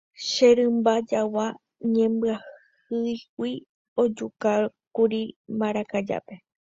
Che rymba jagua ñembyahýigui ojukákuri mbarakajápe.